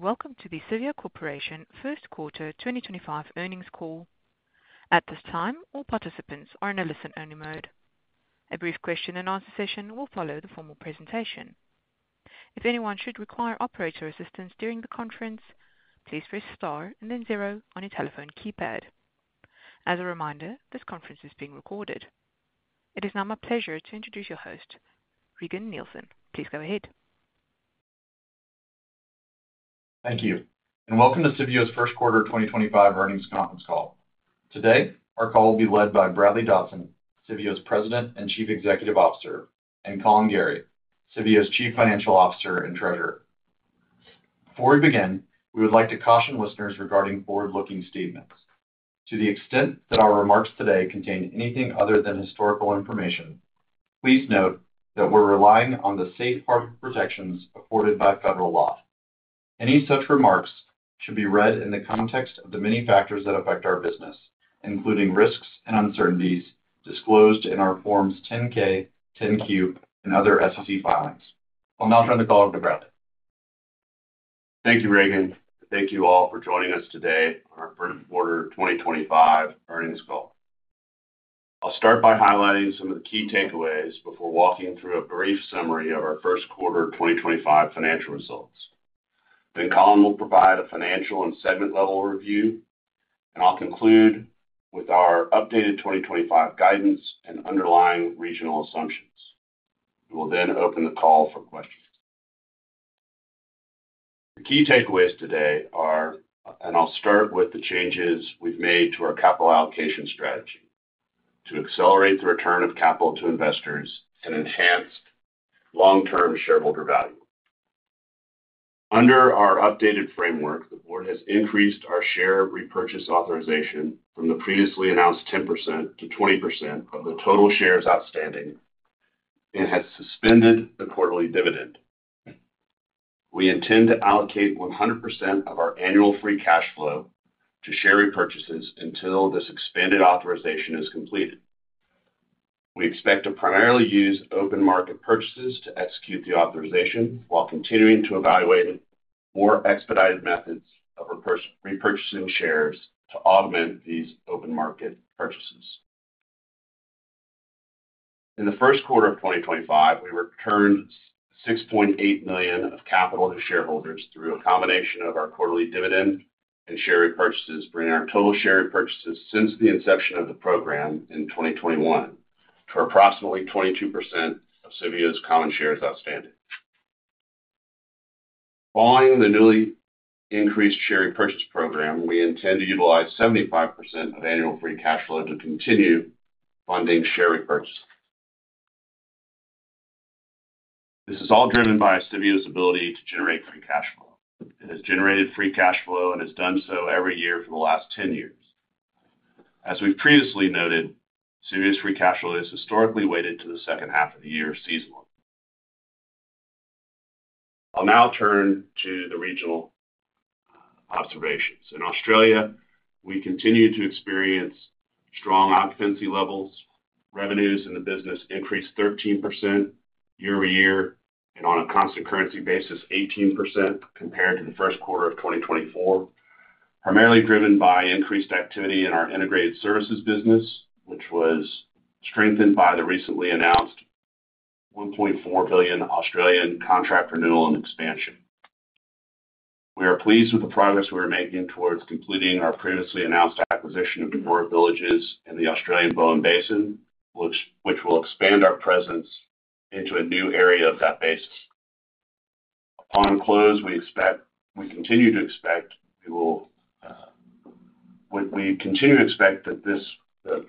Welcome to the Civeo Corporation First Quarter 2025 earnings call. At this time, all participants are in a listen-only mode. A brief question-and-answer session will follow the formal presentation. If anyone should require operator assistance during the conference, please press star and then zero on your telephone keypad. As a reminder, this conference is being recorded. It is now my pleasure to introduce your host, Regan Nielsen. Please go ahead. Thank you, and welcome to Civeo's First Quarter 2025 earnings conference call. Today, our call will be led by Bradley Dodson, Civeo's President and Chief Executive Officer, and Collin Gerry, Civeo's Chief Financial Officer and Treasurer. Before we begin, we would like to caution listeners regarding forward-looking statements. To the extent that our remarks today contain anything other than historical information, please note that we're relying on the safeguarding protections afforded by federal law. Any such remarks should be read in the context of the many factors that affect our biness, including risks and uncertainties disclosed in our Forms 10-K, 10-Q, and other SEC filings. I'll now turn the call over to Bradley. Thank you, Regan. Thank you all for joining us today on our First Quarter 2025 earnings call. I'll start by highlighting some of the key takeaways before walking through a brief summary of our first quarter 2025 financial results. Collin will provide a financial and segment-level review, and I'll conclude with our updated 2025 guidance and underlying regional assumptions. We will then open the call for questions. The key takeaways today are, and I'll start with the changes we've made to our capital allocation strategy to accelerate the return of capital to investors and enhance long-term shareholder value. Under our updated framework, the board has increased our share repurchase authorization from the previously announced 10% to 20% of the total shares outstanding and has suspended the quarterly dividend. We intend to allocate 100% of our annual free cash flow to share repurchases until this expanded authorization is completed. We expect to primarily use open market purchases to execute the authorization while continuing to evaluate more expedited methods of repurchasing shares to augment these open market purchases. In the first quarter of 2025, we returned $6.8 million of capital to shareholders through a combination of our quarterly dividend and share repurchases, bringing our total share repurchases since the inception of the program in 2021 to approximately 22% of Civeo's common shares outstanding. Following the newly increased share repurchase program, we intend to utilize 75% of annual free cash flow to continue funding share repurchases. This is all driven by Civeo's ability to generate free cash flow. It has generated free cash flow and has done so every year for the last 10 years. As we've previously noted, Civeo's free cash flow has historically waited to the second half of the year seasonally. I'll now turn to the regional observations. In Australia, we continue to experience strong occupancy levels. Revenues in the business increased 13% year over year and on a constant currency basis, 18% compared to the first quarter of 2024, primarily driven by increased activity in our integrated services business, which was strengthened by the recently announced 1.4 billion contract renewal and expansion. We are pleased with the progress we are making towards completing our previously announced acquisition of Aurora Villages in the Australian Bowen Basin, which will expand our presence into a new area of that basin. Upon close, we continue to expect that this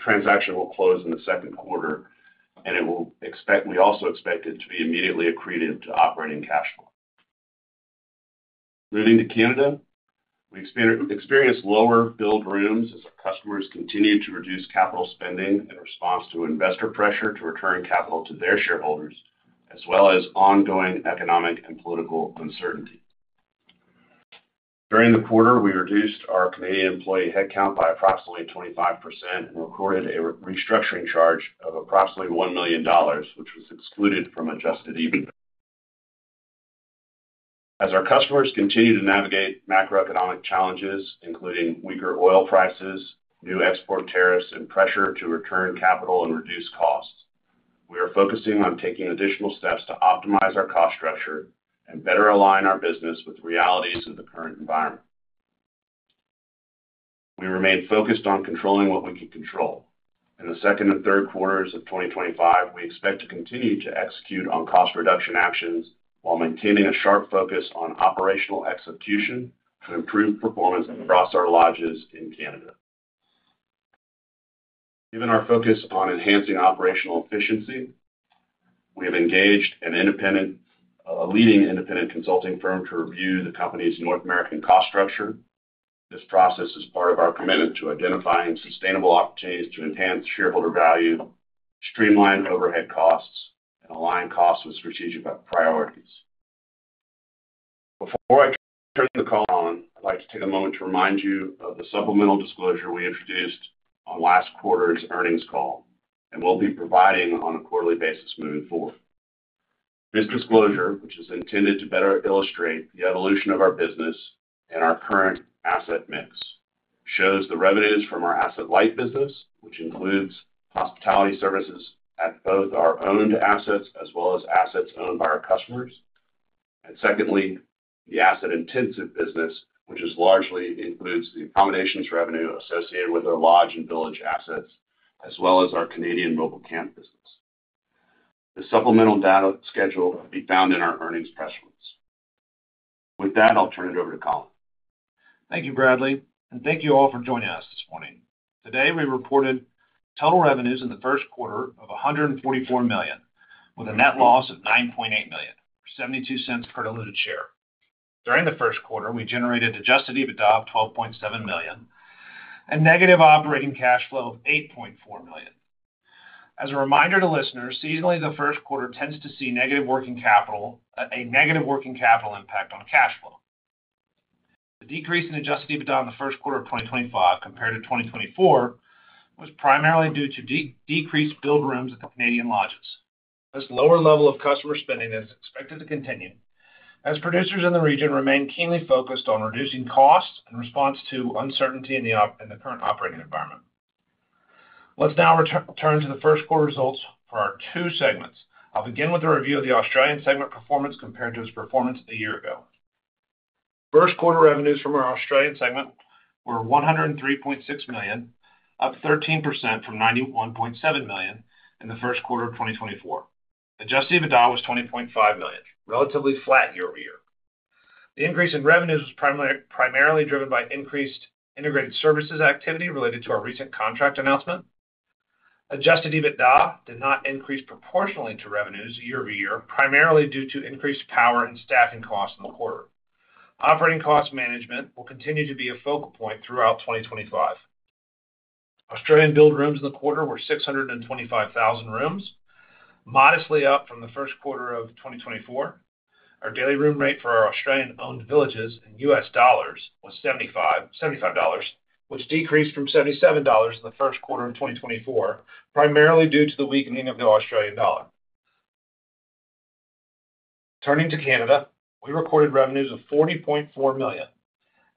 transaction will close in the second quarter, and we also expect it to be immediately accretive to operating cash flow. Moving to Canada, we experience lower build rooms as our customers continue to reduce capital spending in response to investor pressure to return capital to their shareholders, as well as ongoing economic and political uncertainty. During the quarter, we reduced our Canadian employee headcount by approximately 25% and recorded a restructuring charge of approximately $1 million, which was excluded from adjusted EBITDA. As our customers continue to navigate macroeconomic challenges, including weaker oil prices, new export tariffs, and pressure to return capital and reduce costs, we are focusing on taking additional steps to optimize our cost structure and better align our business with the realities of the current environment. We remain focused on controlling what we can control. In the second and third quarters of 2025, we expect to continue to execute on cost reduction actions while maintaining a sharp focus on operational execution to improve performance across our lodges in Canada. Given our focus on enhancing operational efficiency, we have engaged a leading independent consulting firm to review the company's North American cost structure. This process is part of our commitment to identifying sustainable opportunities to enhance shareholder value, streamline overhead costs, and align costs with strategic priorities. Before I turn the call on, I'd like to take a moment to remind you of the supplemental disclosure we introduced on last quarter's earnings call and will be providing on a quarterly basis moving forward. This disclosure, which is intended to better illustrate the evolution of our business and our current asset mix, shows the revenues from our asset light business, which includes hospitality services at both our owned assets as well as assets owned by our customers, and secondly, the asset intensive business, which largely includes the accommodations revenue associated with our lodge and village assets as well as our Canadian mobile camp business. The supplemental data schedule will be found in our earnings press release. With that, I'll turn it over to Collin. Thank you, Bradley, and thank you all for joining us this morning. Today, we reported total revenues in the first quarter of $144 million, with a net loss of $9.8 million, or $0.72 per diluted share. During the first quarter, we generated adjusted EBITDA of $12.7 million and negative operating cash flow of $8.4 million. As a reminder to listeners, seasonally, the first quarter tends to see a negative working capital impact on cash flow. The decrease in adjusted EBITDA in the first quarter of 2025 compared to 2024 was primarily due to decreased build rooms at the Canadian lodges. This lower level of customer spending is expected to continue as producers in the region remain keenly focused on reducing costs in response to uncertainty in the current operating environment. Let's now return to the first quarter results for our two segments. I'll begin with a review of the Australian segment performance compared to its performance a year ago. First quarter revenues from our Australian segment were 103.6 million, up 13% from 91.7 million in the first quarter of 2024. Adjusted EBITDA was 20.5 million, relatively flat year over year. The increase in revenues was primarily driven by increased integrated services activity related to our recent contract announcement. Adjusted EBITDA did not increase proportionally to revenues year over year, primarily due to increased power and staffing costs in the quarter. Operating cost management will continue to be a focal point throughout 2025. Australian build rooms in the quarter were 625,000 rooms, modestly up from the first quarter of 2024. Our daily room rate for our Australian-owned villages in U.S. dollars was $75, which decreased from $77 in the first quarter of 2024, primarily due to the weakening of the Australian dollar. Turning to Canada, we recorded revenues of $40.4 million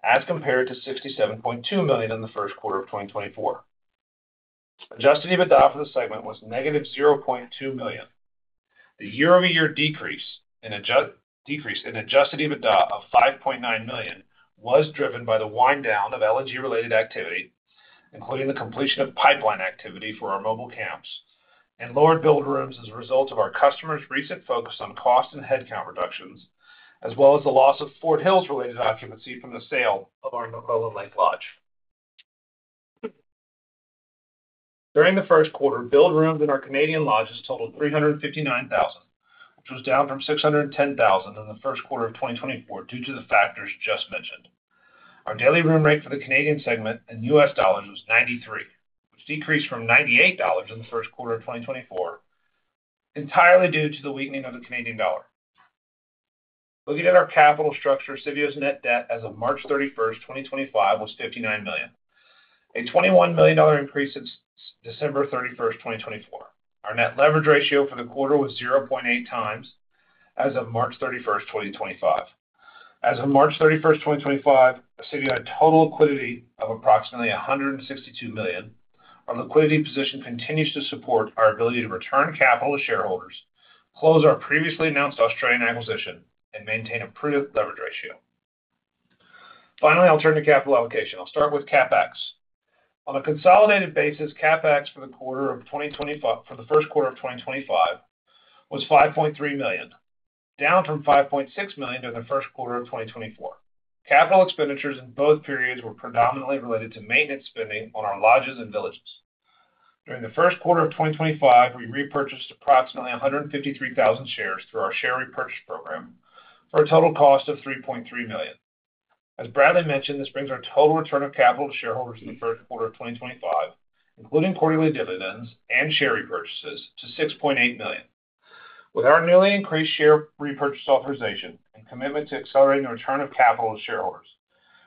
as compared to $67.2 million in the first quarter of 2024. Adjusted EBITDA for the segment was negative $0.2 million. The year-over-year decrease in adjusted EBITDA of $5.9 million was driven by the wind down of LNG-related activity, including the completion of pipeline activity for our mobile camps, and lowered build rooms as a result of our customers' recent focus on cost and headcount reductions, as well as the loss of Fort Hills-related occupancy from the sale of our MacOlan Lake Lodge. During the first quarter, build rooms in our Canadian lodges totaled 359,000, which was down from 610,000 in the first quarter of 2024 due to the factors just mentioned. Our daily room rate for the Canadian segment in U.S. dollars was $93, which decreased from $98 in the first quarter of 2024, entirely due to the weakening of the Canadian dollar. Looking at our capital structure, Civeo's net debt as of March 31, 2025, was $59 million, a $21 million increase since December 31, 2024. Our net leverage ratio for the quarter was 0.8 times as of March 31, 2025. As of March 31, 2025, Civeo had total liquidity of approximately $162 million. Our liquidity position continues to support our ability to return capital to shareholders, close our previously announced Australian acquisition, and maintain a prudent leverage ratio. Finally, I'll turn to capital allocation. I'll start with CapEx. On a consolidated basis, CapEx for the first quarter of 2025 was $5.3 million, down from $5.6 million during the first quarter of 2024. Capital expenditures in both periods were predominantly related to maintenance spending on our lodges and villages. During the first quarter of 2025, we repurchased approximately 153,000 shares through our share repurchase program for a total cost of $3.3 million. As Bradley mentioned, this brings our total return of capital to shareholders in the first quarter of 2025, including quarterly dividends and share repurchases, to $6.8 million. With our newly increased share repurchase authorization and commitment to accelerating the return of capital to shareholders,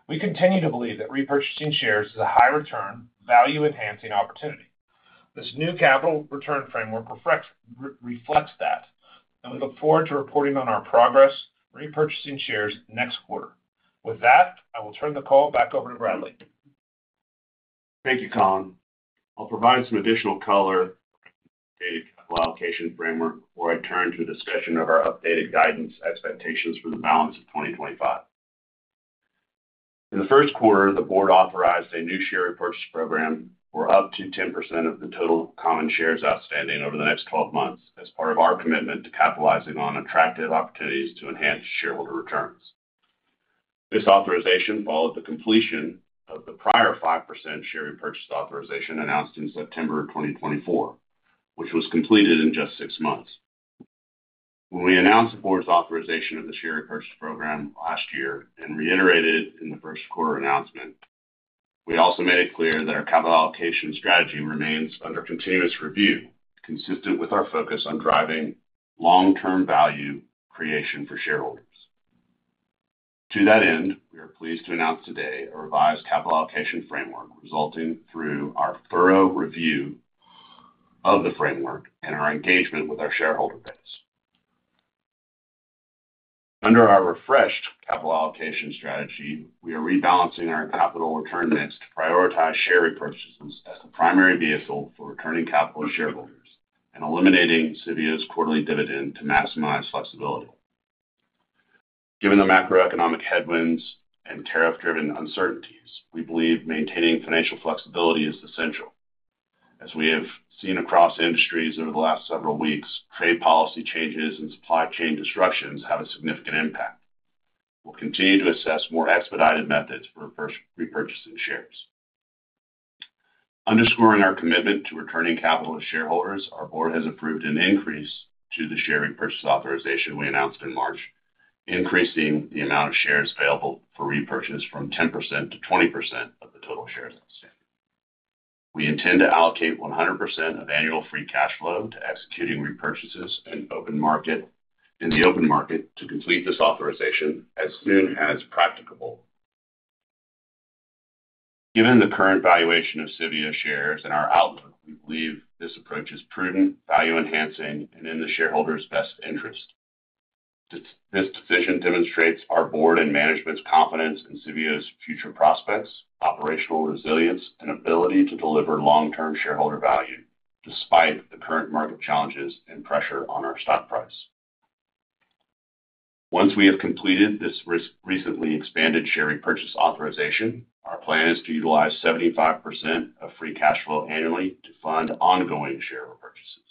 we continue to believe that repurchasing shares is a high-return, value-enhancing opportunity. This new capital return framework reflects that, and we look forward to reporting on our progress repurchasing shares next quarter. With that, I will turn the call back over to Bradley. Thank you, Collin. I'll provide some additional color on the updated capital allocation framework before I turn to a discussion of our updated guidance expectations for the balance of 2025. In the first quarter, the board authorized a new share repurchase program for up to 10% of the total common shares outstanding over the next 12 months as part of our commitment to capitalizing on attractive opportunities to enhance shareholder returns. This authorization followed the completion of the prior 5% share repurchase authorization announced in September of 2024, which was completed in just six months. When we announced the board's authorization of the share repurchase program last year and reiterated it in the first quarter announcement, we also made it clear that our capital allocation strategy remains under continuous review, consistent with our focus on driving long-term value creation for shareholders. To that end, we are pleased to announce today a revised capital allocation framework resulting through our thorough review of the framework and our engagement with our shareholder base. Under our refreshed capital allocation strategy, we are rebalancing our capital return mix to prioritize share repurchases as the primary vehicle for returning capital to shareholders and eliminating Civeo's quarterly dividend to maximize flexibility. Given the macroeconomic headwinds and tariff-driven uncertainties, we believe maintaining financial flexibility is essential. As we have seen across industries over the last several weeks, trade policy changes and supply chain disruptions have a significant impact. We'll continue to assess more expedited methods for repurchasing shares. Underscoring our commitment to returning capital to shareholders, our board has approved an increase to the share repurchase authorization we announced in March, increasing the amount of shares available for repurchase from 10% to 20% of the total shares outstanding. We intend to allocate 100% of annual free cash flow to executing repurchases in the open market to complete this authorization as soon as practicable. Given the current valuation of Civeo shares and our outlook, we believe this approach is prudent, value-enhancing, and in the shareholders' best interest. This decision demonstrates our board and management's confidence in Civeo's future prospects, operational resilience, and ability to deliver long-term shareholder value despite the current market challenges and pressure on our stock price. Once we have completed this recently expanded share repurchase authorization, our plan is to utilize 75% of free cash flow annually to fund ongoing share repurchases.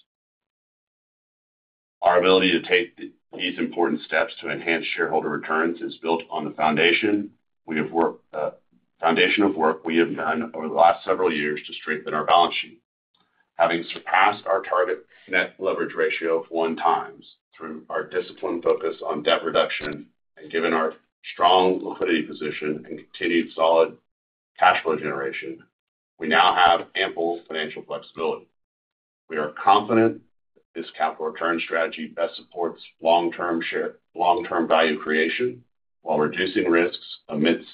Our ability to take these important steps to enhance shareholder returns is built on the foundation of work we have done over the last several years to strengthen our balance sheet. Having surpassed our target net leverage ratio of one times through our disciplined focus on debt reduction and given our strong liquidity position and continued solid cash flow generation, we now have ample financial flexibility. We are confident that this capital return strategy best supports long-term share long-term value creation while reducing risks amidst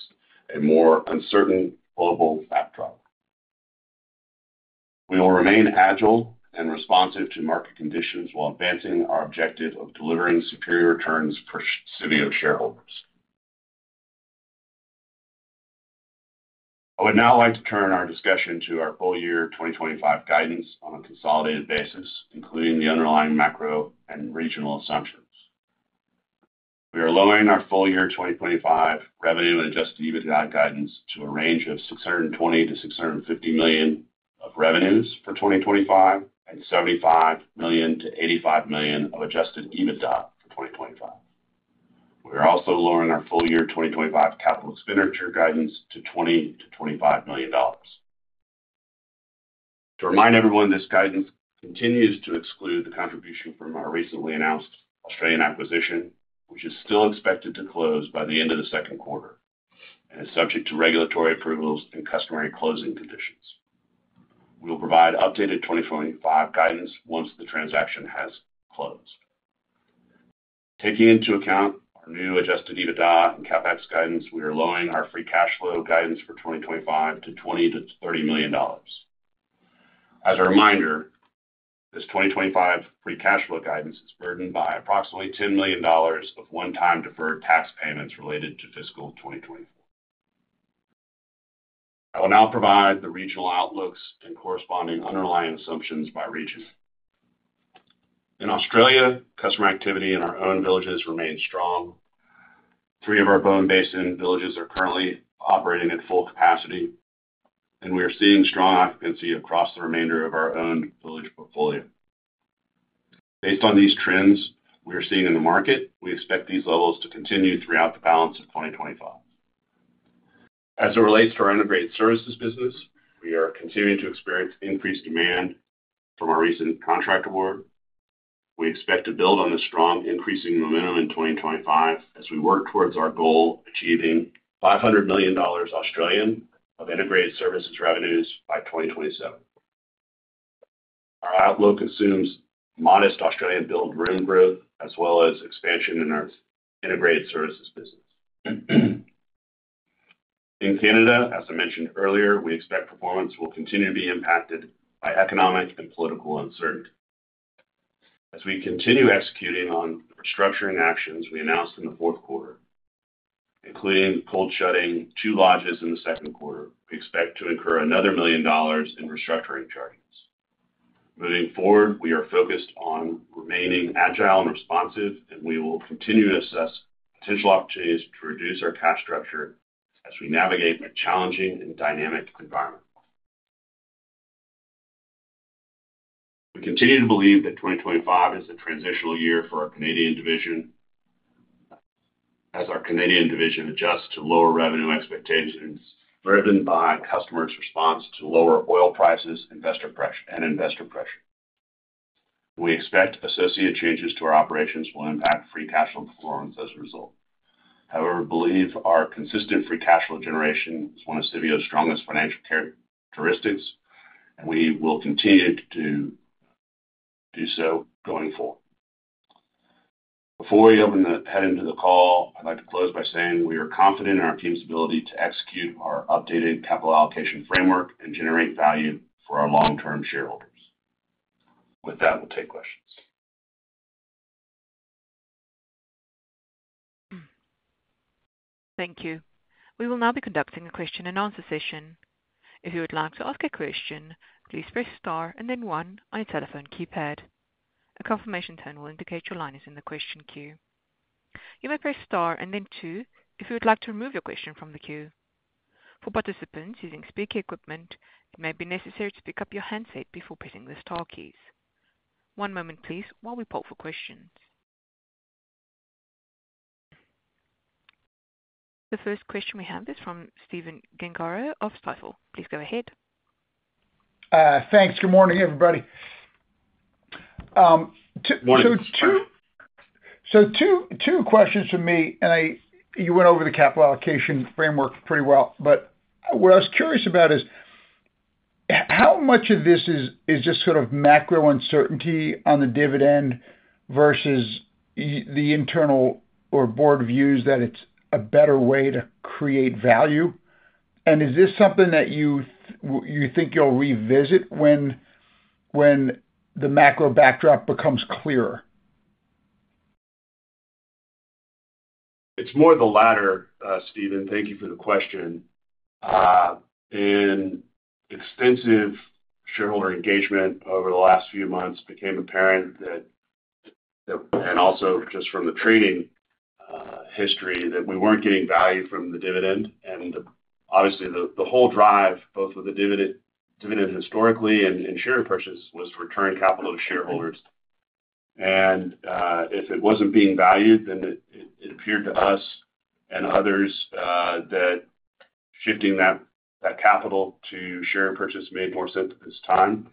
a more uncertain global backdrop. We will remain agile and responsive to market conditions while advancing our objective of delivering superior returns for Civeo shareholders. I would now like to turn our discussion to our full year 2025 guidance on a consolidated basis, including the underlying macro and regional assumptions. We are lowering our full year 2025 revenue and adjusted EBITDA guidance to a range of $620 million-$650 million of revenues for 2025 and $75 million-$85 million of adjusted EBITDA for 2025. We are also lowering our full year 2025 capital expenditure guidance to $20-$25 million. To remind everyone, this guidance continues to exclude the contribution from our recently announced Australian acquisition, which is still expected to close by the end of the second quarter and is subject to regulatory approvals and customary closing conditions. We will provide updated 2025 guidance once the transaction has closed. Taking into account our new adjusted EBITDA and CapEx guidance, we are lowering our free cash flow guidance for 2025 to $20-$30 million. As a reminder, this 2025 free cash flow guidance is burdened by approximately $10 million of one-time deferred tax payments related to fiscal 2024. I will now provide the regional outlooks and corresponding underlying assumptions by region. In Australia, customer activity in our own villages remains strong. Three of our Bowen Basin villages are currently operating at full capacity, and we are seeing strong occupancy across the remainder of our owned village portfolio. Based on these trends we are seeing in the market, we expect these levels to continue throughout the balance of 2025. As it relates to our integrated services business, we are continuing to experience increased demand from our recent contract award. We expect to build on the strong increasing momentum in 2025 as we work towards our goal of achieving 500 million Australian dollars of integrated services revenues by 2027. Our outlook assumes modest Australian build room growth as well as expansion in our integrated services business. In Canada, as I mentioned earlier, we expect performance will continue to be impacted by economic and political uncertainty. As we continue executing on the restructuring actions we announced in the fourth quarter, including cold shutting two lodges in the second quarter, we expect to incur another $1 million in restructuring charges. Moving forward, we are focused on remaining agile and responsive, and we will continue to assess potential opportunities to reduce our cash structure as we navigate a challenging and dynamic environment. We continue to believe that 2025 is a transitional year for our Canadian division as our Canadian division adjusts to lower revenue expectations driven by customers' response to lower oil prices and investor pressure. We expect associated changes to our operations will impact free cash flow performance as a result. However, we believe our consistent free cash flow generation is one of Civeo's strongest financial characteristics, and we will continue to do so going forward. Before we open the head into the call, I'd like to close by saying we are confident in our team's ability to execute our updated capital allocation framework and generate value for our long-term shareholders. With that, we'll take questions. Thank you. We will now be conducting a question and answer session. If you would like to ask a question, please press star and then one on your telephone keypad. A confirmation tone will indicate your line is in the question queue. You may press star and then two if you would like to remove your question from the queue. For participants using speaker equipment, it may be necessary to pick up your handset before pressing the star keys. One moment, please, while we poll for questions. The first question we have is from Stephen Gengaro of Stifel. Please go ahead. Thanks. Good morning, everybody. Morning. Two questions for me, and you went over the capital allocation framework pretty well, but what I was curious about is how much of this is just sort of macro uncertainty on the dividend versus the internal or board views that it's a better way to create value? Is this something that you think you'll revisit when the macro backdrop becomes clearer? It's more the latter, Stephen. Thank you for the question. In extensive shareholder engagement over the last few months, it became apparent that, and also just from the trading history, we were not getting value from the dividend. Obviously, the whole drive, both with the dividend historically and share purchase, was return capital to shareholders. If it was not being valued, it appeared to us and others that shifting that capital to share purchase made more sense at this time.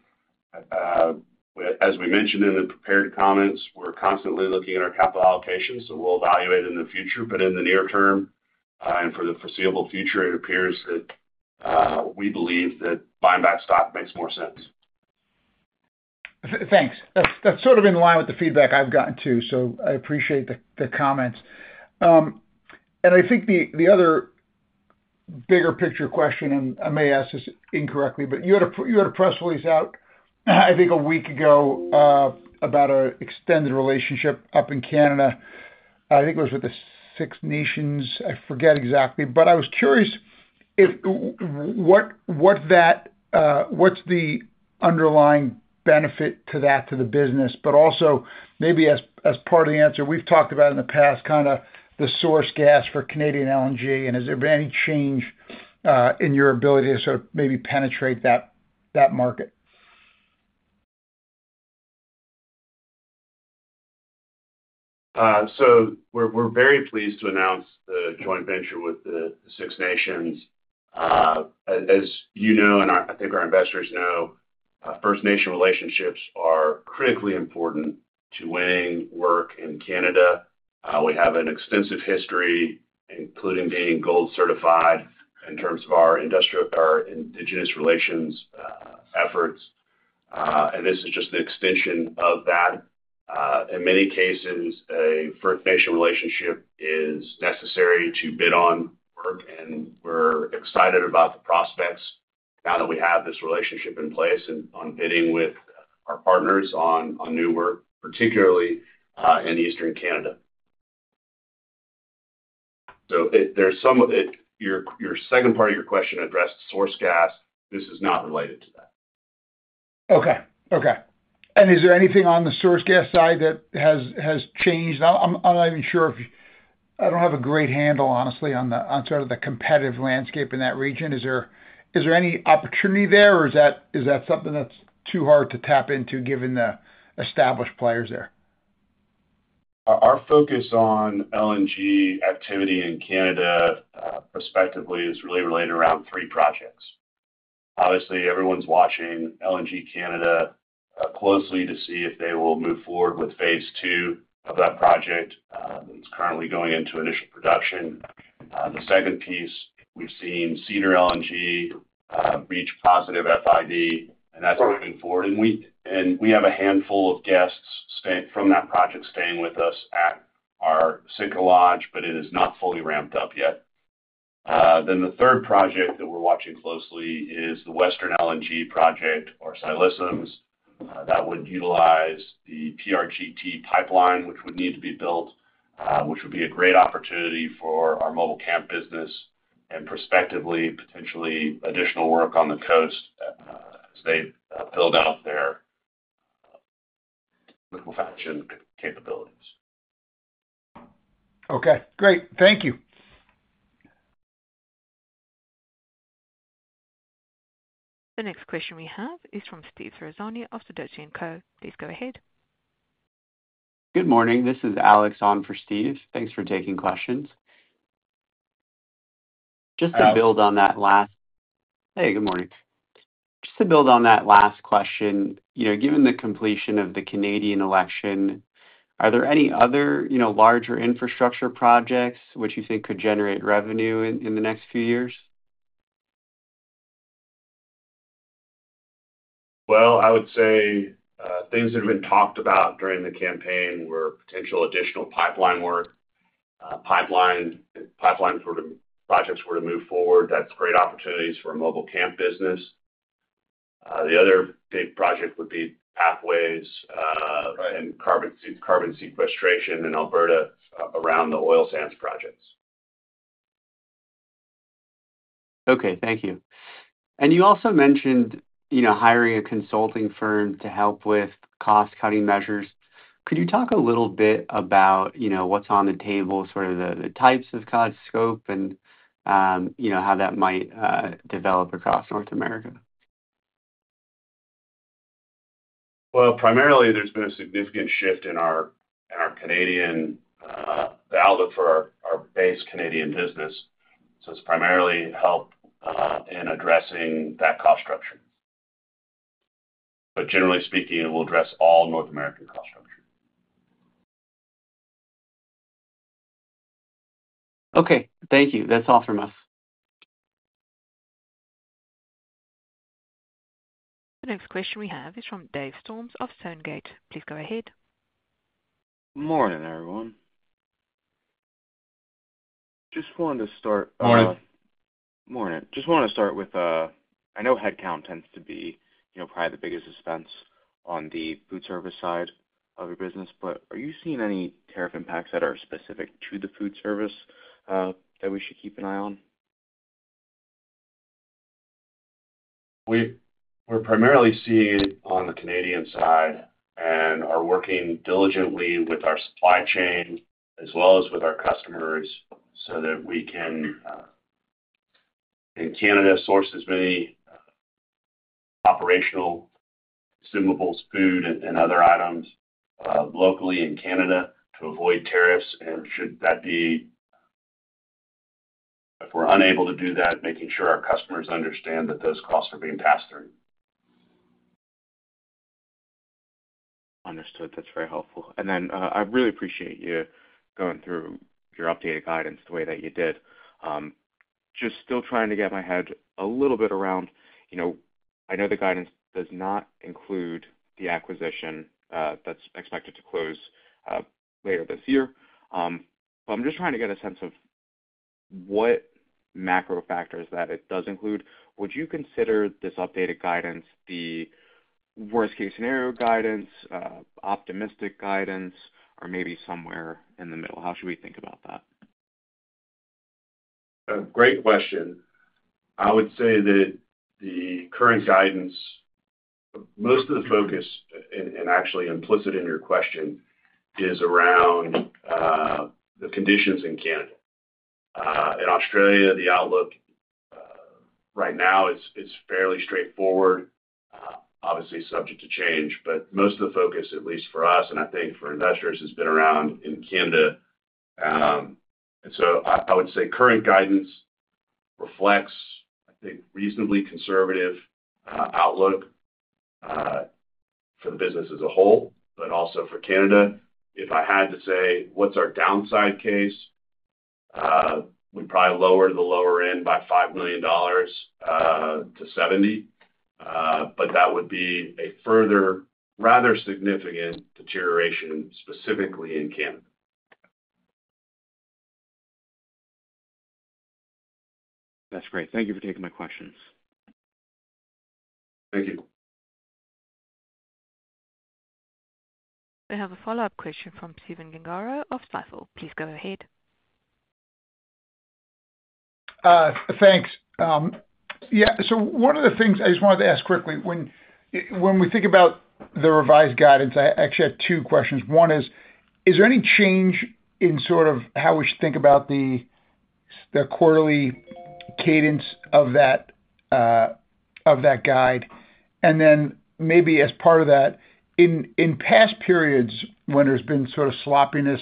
As we mentioned in the prepared comments, we are constantly looking at our capital allocation, so we will evaluate it in the future. In the near term and for the foreseeable future, it appears that we believe that buying back stock makes more sense. Thanks. That's sort of in line with the feedback I've gotten too, so I appreciate the comments. I think the other bigger picture question, and I may ask this incorrectly, but you had a press release out, I think, a week ago about our extended relationship up in Canada. I think it was with the Six Nations. I forget exactly, but I was curious what's the underlying benefit to that to the business, but also maybe as part of the answer, we've talked about in the past kind of the source gas for Canadian LNG, and has there been any change in your ability to sort of maybe penetrate that market? We're very pleased to announce the joint venture with the Six Nations. As you know, and I think our investors know, First Nation relationships are critically important to winning work in Canada. We have an extensive history, including being gold certified in terms of our indigenous relations efforts. This is just the extension of that. In many cases, a First Nation relationship is necessary to bid on work, and we're excited about the prospects now that we have this relationship in place and on bidding with our partners on new work, particularly in eastern Canada. The second part of your question addressed source gas. This is not related to that. Okay. Okay. Is there anything on the source gas side that has changed? I'm not even sure if I don't have a great handle, honestly, on sort of the competitive landscape in that region. Is there any opportunity there, or is that something that's too hard to tap into given the established players there? Our focus on LNG activity in Canada prospectively is really related around three projects. Obviously, everyone's watching LNG Canada closely to see if they will move forward with phase two of that project that's currently going into initial production. The second piece, we've seen Cedar LNG reach positive FID, and that's moving forward. We have a handful of guests from that project staying with us at our Civeo Lodge, but it is not fully ramped up yet. The third project that we're watching closely is the Western LNG project or Ksi Lisims that would utilize the PRGT pipeline, which would need to be built, which would be a great opportunity for our mobile camp business and prospectively, potentially, additional work on the coast as they build out their liquefaction capabilities. Okay. Great. Thank you. The next question we have is from Steve Ferrazzone of Sudachi & Co. Please go ahead. Good morning. This is Alex on for Steve. Thanks for taking questions. Just to build on that last. Hi. Hey, good morning. Just to build on that last question, given the completion of the Canadian election, are there any other larger infrastructure projects which you think could generate revenue in the next few years? I would say things that have been talked about during the campaign were potential additional pipeline work, pipeline projects where to move forward. That's great opportunities for a mobile camp business. The other big project would be pathways and carbon sequestration in Alberta around the oil sands projects. Okay. Thank you. You also mentioned hiring a consulting firm to help with cost-cutting measures. Could you talk a little bit about what's on the table, sort of the types of cost scope, and how that might develop across North America? Primarily, there's been a significant shift in our Canadian value for our base Canadian business. It is primarily help in addressing that cost structure. Generally speaking, it will address all North American cost structure. Okay. Thank you. That's all from us. The next question we have is from Dave Storms of Stonegate. Please go ahead. Morning, everyone. Just wanted to start. Morning. Morning. Just wanted to start with I know headcount tends to be probably the biggest expense on the food service side of your business, but are you seeing any tariff impacts that are specific to the food service that we should keep an eye on? We're primarily seeing it on the Canadian side and are working diligently with our supply chain as well as with our customers so that we can, in Canada, source as many operational consumables, food, and other items locally in Canada to avoid tariffs. If we're unable to do that, making sure our customers understand that those costs are being passed through. Understood. That's very helpful. I really appreciate you going through your updated guidance the way that you did. Just still trying to get my head a little bit around I know the guidance does not include the acquisition that's expected to close later this year, but I'm just trying to get a sense of what macro factors that it does include. Would you consider this updated guidance the worst-case scenario guidance, optimistic guidance, or maybe somewhere in the middle? How should we think about that? Great question. I would say that the current guidance, most of the focus, and actually implicit in your question, is around the conditions in Canada. In Australia, the outlook right now is fairly straightforward, obviously subject to change, but most of the focus, at least for us, and I think for investors, has been around in Canada. I would say current guidance reflects, I think, reasonably conservative outlook for the business as a whole, but also for Canada. If I had to say what's our downside case, we'd probably lower the lower end by $5 million-$70 million, but that would be a further rather significant deterioration specifically in Canada. That's great. Thank you for taking my questions. Thank you. We have a follow-up question from Stephen Gengaro of Stifel. Please go ahead. Thanks. Yeah. One of the things I just wanted to ask quickly, when we think about the revised guidance, I actually have two questions. One is, is there any change in sort of how we should think about the quarterly cadence of that guide? Maybe as part of that, in past periods when there's been sort of sloppiness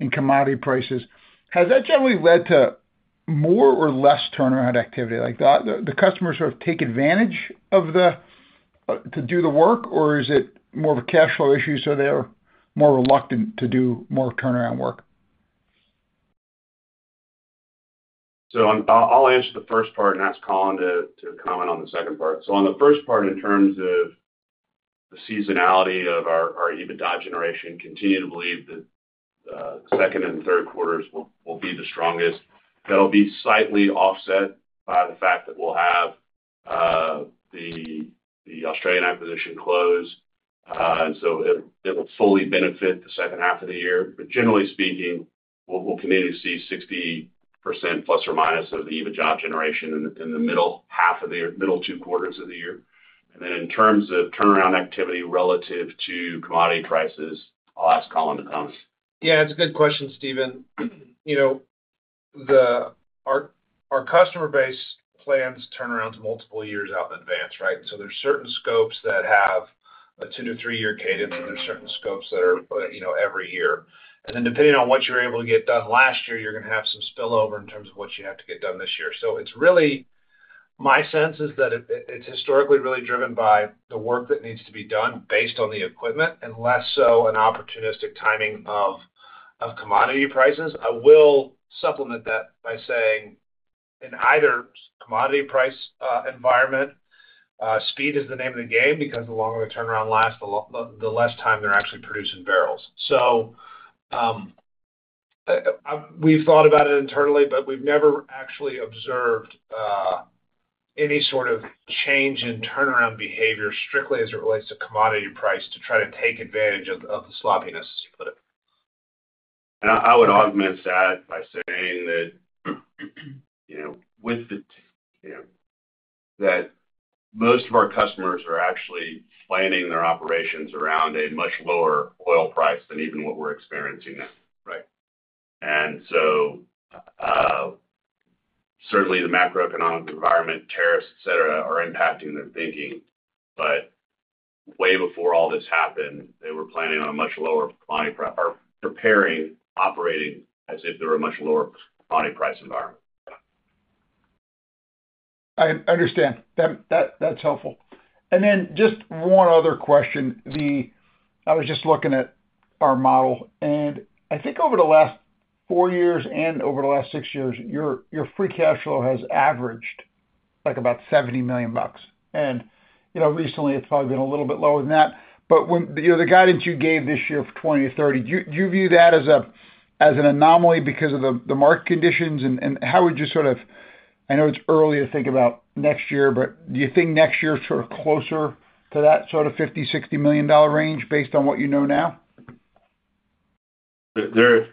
in commodity prices, has that generally led to more or less turnaround activity? The customers sort of take advantage of the to do the work, or is it more of a cash flow issue so they're more reluctant to do more turnaround work? I'll answer the first part and ask Collin to comment on the second part. On the first part, in terms of the seasonality of our EBITDA generation, continue to believe that the second and third quarters will be the strongest. That will be slightly offset by the fact that we will have the Australian acquisition close, so it will fully benefit the second half of the year. Generally speaking, we will continue to see 60% plus or minus of the EBITDA generation in the middle two quarters of the year. In terms of turnaround activity relative to commodity prices, I'll ask Collin to comment. Yeah. It's a good question, Stephen. Our customer base plans turnarounds multiple years out in advance, right? There are certain scopes that have a two to three-year cadence, and there are certain scopes that are every year. Depending on what you're able to get done last year, you're going to have some spillover in terms of what you have to get done this year. My sense is that it's historically really driven by the work that needs to be done based on the equipment and less so an opportunistic timing of commodity prices. I will supplement that by saying in either commodity price environment, speed is the name of the game because the longer the turnaround lasts, the less time they're actually producing barrels. We've thought about it internally, but we've never actually observed any sort of change in turnaround behavior strictly as it relates to commodity price to try to take advantage of the sloppiness, as you put it. I would augment that by saying that most of our customers are actually planning their operations around a much lower oil price than even what we're experiencing now, right? Certainly the macroeconomic environment, tariffs, etc., are impacting their thinking. Way before all this happened, they were planning on a much lower commodity or preparing operating as if there were a much lower commodity price environment. I understand. That's helpful. Just one other question. I was just looking at our model, and I think over the last four years and over the last six years, your free cash flow has averaged about $70 million. Recently, it's probably been a little bit lower than that. The guidance you gave this year for 2030, do you view that as an anomaly because of the market conditions? How would you sort of—I know it's early to think about next year, but do you think next year is sort of closer to that sort of $50-$60 million range based on what you know now? There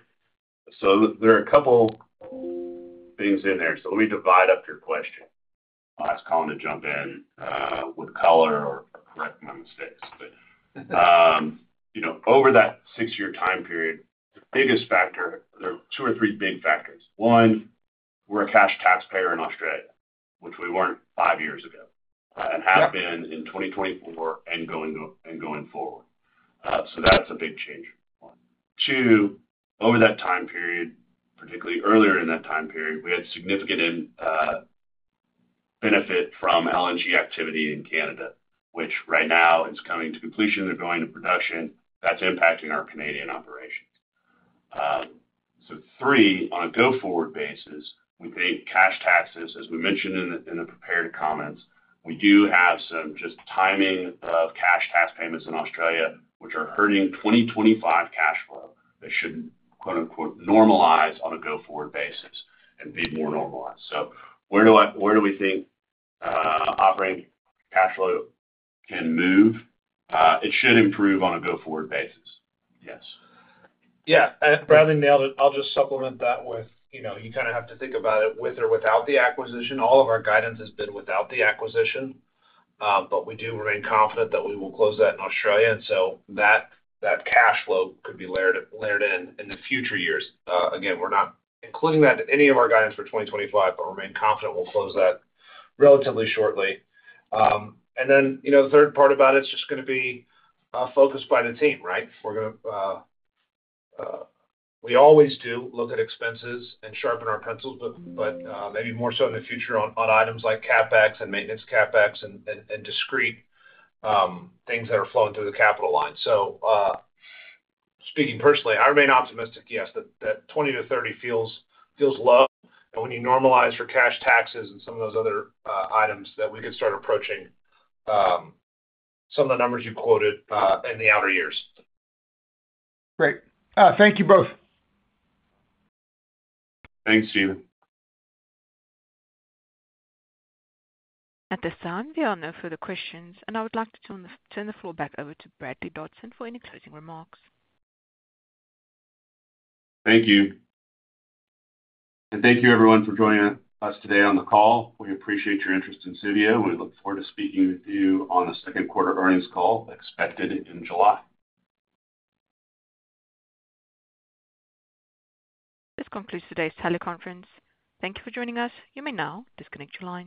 are a couple of things in there. Let me divide up your question. I'll ask Collin to jump in with color or correct my mistakes. Over that six-year time period, the biggest factor—there are two or three big factors. One, we're a cash taxpayer in Australia, which we weren't five years ago, and have been in 2024 and going forward. That's a big change. Two, over that time period, particularly earlier in that time period, we had significant benefit from LNG activity in Canada, which right now is coming to completion and going to production. That's impacting our Canadian operations. Three, on a go-forward basis, we think cash taxes, as we mentioned in the prepared comments, we do have some just timing of cash tax payments in Australia, which are hurting 2025 cash flow. They shouldn't normalize on a go-forward basis and be more normalized. Where do we think operating cash flow can move? It should improve on a go-forward basis. Yes. Yeah. Bradley, I'll just supplement that with you kind of have to think about it with or without the acquisition. All of our guidance has been without the acquisition, but we do remain confident that we will close that in Australia. That cash flow could be layered in in the future years. Again, we're not including that in any of our guidance for 2025, but remain confident we'll close that relatively shortly. The third part about it is just going to be focus by the team, right? We always do look at expenses and sharpen our pencils, but maybe more so in the future on items like CapEx and maintenance CapEx and discrete things that are flowing through the capital line. Speaking personally, I remain optimistic, yes, that 20-30 feels low. When you normalize for cash taxes and some of those other items that we could start approaching some of the numbers you quoted in the outer years. Great. Thank you both. Thanks, Steven. At this time, we are no further questions, and I would like to turn the floor back over to Bradley Dodson for any closing remarks. Thank you. Thank you, everyone, for joining us today on the call. We appreciate your interest in Civeo. We look forward to speaking with you on the second quarter earnings call expected in July. This concludes today's teleconference. Thank you for joining us. You may now disconnect your line.